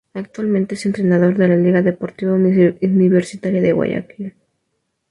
Actualmente es entrenador de la Liga Deportiva Universitaria de Guayaquil